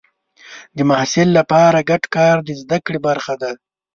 د محصل لپاره ګډ کار د زده کړې برخه ده.